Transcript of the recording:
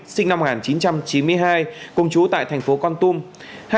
sinh năm một nghìn chín trăm chín mươi hai công chú tại thành phố con tung